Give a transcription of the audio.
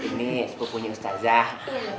ini sepupunya ustaz janurul